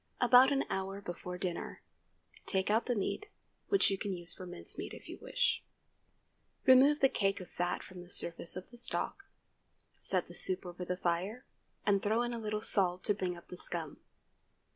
About an hour before dinner, take out the meat, which you can use for mince meat, if you wish; remove the cake of fat from the surface of the stock, set the soup over the fire, and throw in a little salt to bring up the scum.